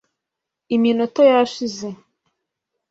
iminota yashize .